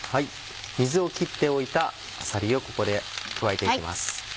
水を切っておいたあさりをここで加えていきます。